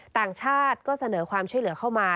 ต่างชาติก็เสนอความช่วยเหลือเข้ามา